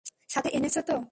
সাথে এনেছো তো?